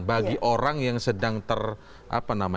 bagi orang yang sedang terpilih